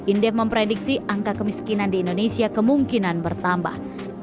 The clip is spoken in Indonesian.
indef memprediksi angka kemiskinan di indonesia kemungkinan bertambah